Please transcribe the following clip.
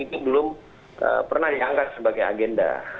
itu belum pernah dianggap sebagai agenda